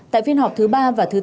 tại phiên họp thứ ba và thứ bốn